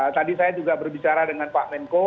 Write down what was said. tadi saya juga berbicara dengan pak menko